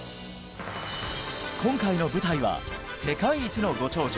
今回の舞台は世界一のご長寿